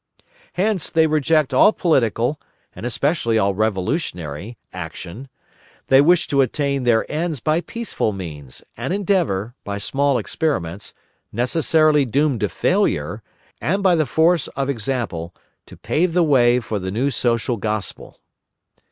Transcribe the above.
Hence, they reject all political, and especially all revolutionary, action; they wish to attain their ends by peaceful means, and endeavour, by small experiments, necessarily doomed to failure, and by the force of example, to pave the way for the new social Gospel.